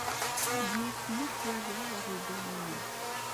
Ur d-yusi akk waya ɣer lbal-inu.